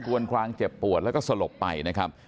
วนคลางเจ็บปวดแล้วก็สลบไปนะครับ